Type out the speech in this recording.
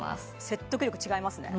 説得力違いますね